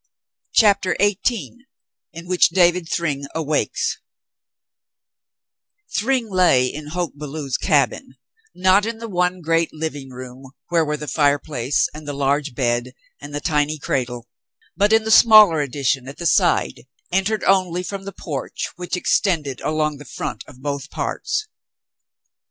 CHAPTER XVIII IN WHICH DAVID THRYNG AWAKES Thryng lay in Hoke Belew's cabin, — not in the one great living room where were the fireplace and the large bed and the tiny cradle, but in the smaller addition at the side, entered only from the porch which extended along the front of both parts.